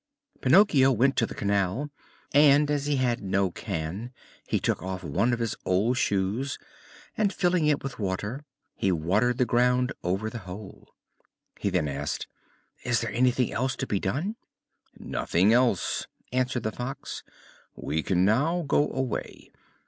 Pinocchio went to the canal, and, as he had no can, he took off one of his old shoes and filling it with water he watered the ground over the hole. He then asked: "Is there anything else to be done?" "Nothing else," answered the Fox. "We can now go away.